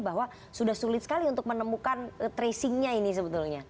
bahwa sudah sulit sekali untuk menemukan tracingnya ini sebetulnya